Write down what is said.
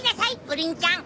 プリンちゃん！